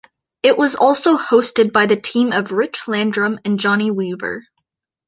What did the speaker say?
It was also hosted by the team of Rich Landrum and Johnny Weaver.